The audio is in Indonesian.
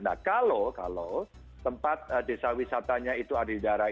nah kalau tempat desa wisatanya itu adil darah